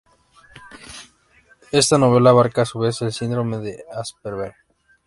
Esta novela abarca a su vez el Síndrome de Asperger.